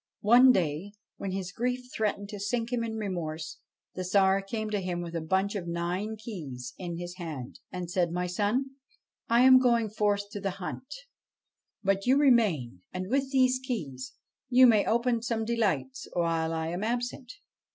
One day, when his grief threatened to sink him in remorse, the Tsar came to him with a bunch of nine keys in his hand, and said :' My son ; I am going forth to the hunt ; but you remain, and, with these keys, you may open some delights while I am absent.'